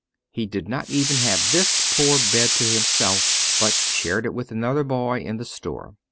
He did not have even this poor bed to himself, but shared it with another boy in the store.